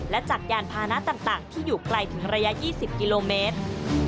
และจากยานพานะต่างที่อยู่ไกลถึงระยะ๒๐กิโลเมตร